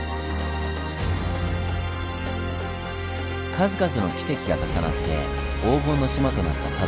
数々のキセキが重なって「黄金の島」となった佐渡。